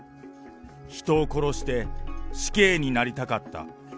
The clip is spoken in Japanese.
人を殺して、死刑になりたかった。